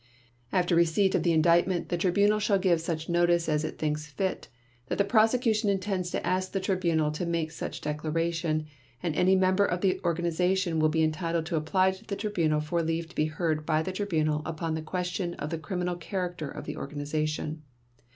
"After receipt of the Indictment the Tribunal shall give such notice as it thinks fit that the prosecution intends to ask the Tribunal to make such declaration and any member of the organization will be entitled to apply to the Tribunal for leave to be heard by the Tribunal upon the question of the criminal character of the organization.